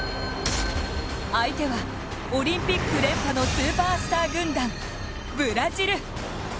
相手は、オリンピック連覇のスーパースター軍団・ブラジル。